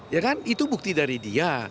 ya kan itu bukti dari dia